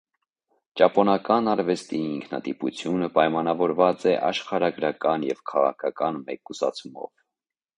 Ճապոնական արվեստի ինքնատիպությունը պայմանավորված է աշխարհագրական և քաղաքական մեկուսացումով։